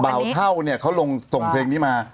เท่าเนี่ยเขาลงส่งเพลงนี้มา